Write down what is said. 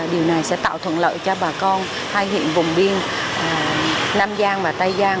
điều này sẽ tạo thuận lợi cho bà con hai huyện vùng biên nam giang và tây giang